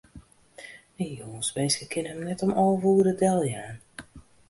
In jûnsminske kin him net om alve oere deljaan.